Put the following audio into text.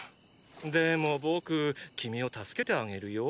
でも僕君を助けてあげるよ？